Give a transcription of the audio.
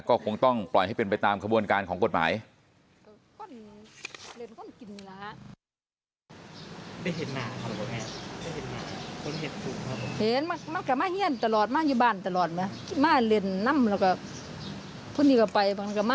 ก็คงต้องปล่อยให้เป็นไปตามขบวนการของกฎหมาย